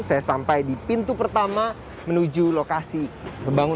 saya sampai di pintu pertama menuju lokasi pembangunan